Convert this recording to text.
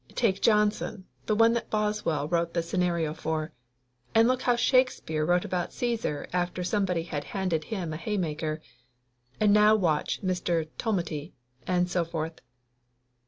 Take Johnson, the one that Boswell wrote the scenario for. And look how Shakspere wrote about Caesar after somebody had handed him a haymaker. And now watch Mr. Tu multy. And so forth.